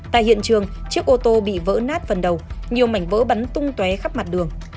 tại hiện trường chiếc ô tô bị vỡ nát phần đầu nhiều mảnh vỡ bắn tung té khắp mặt đường